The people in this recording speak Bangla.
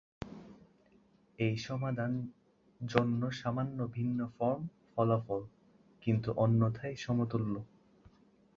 এই সমাধান জন্য সামান্য ভিন্ন ফর্ম ফলাফল, কিন্তু অন্যথায় সমতুল্য।